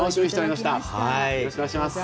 よろしくお願いします。